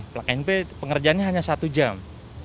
plug and play pengerjaannya hanya satu jam